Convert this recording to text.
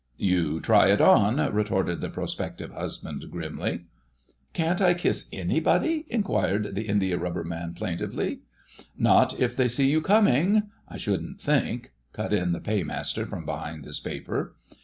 "You try it on," retorted the prospective husband grimly.' "Can't I kiss anybody," inquired the Indiarubber Man plaintively. "Not if they see you coming, I shouldn't think," cut in the Paymaster from behind his paper.